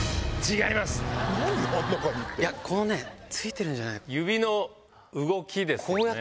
このねついてるんじゃない。